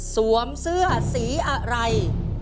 สวมเสื้อสีอะไร